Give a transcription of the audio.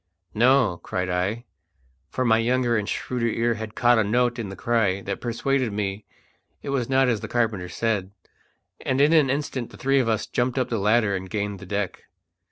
"No!" cried I, for my younger and shrewder ear had caught a note in the cry that persuaded me it was not as the carpenter said; and in an instant the three of us jumped up the ladder and gained the deck.